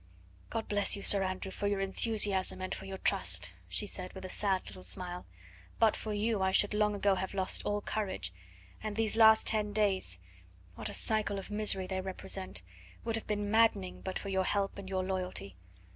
"God bless you, Sir Andrew, for your enthusiasm and for your trust," she said with a sad little smile; "but for you I should long ago have lost all courage, and these last ten days what a cycle of misery they represent would have been maddening but for your help and your loyalty.